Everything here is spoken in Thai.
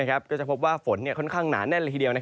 ก็จะพบว่าฝนค่อนข้างหนาแน่นเลยทีเดียว